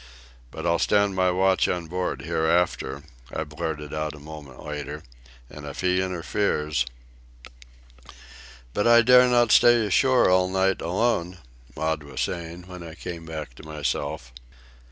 "But I'll stand my watch on board hereafter," I blurted out a moment later. "And if he interferes—" "But I dare not stay ashore all night alone," Maud was saying when I came back to myself.